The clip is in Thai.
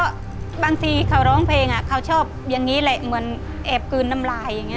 ก็บางทีเขาร้องเพลงเขาชอบอย่างนี้แหละเหมือนแอบกลืนน้ำลายอย่างนี้